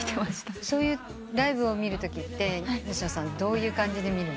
そういうライブを見るときって西野さんどういう感じで見る？